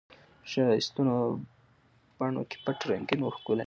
په ښایستو بڼو کي پټ رنګین وو ښکلی